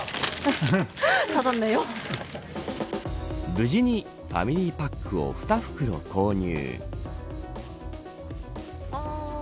無事にファミリーパックを２袋購入。